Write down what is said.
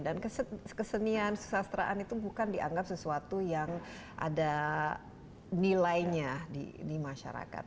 dan kesenian sastraan itu bukan dianggap sesuatu yang ada nilainya di masyarakat